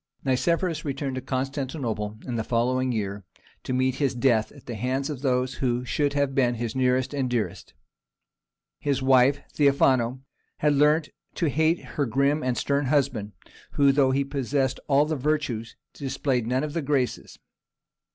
Nicephorus returned to Constantinople in the following year, to meet his death at the hands of those who should have been his nearest and dearest. His wife, Theophano had learnt to hate her grim and stern husband, who, though he possessed all the virtues, displayed none of the graces.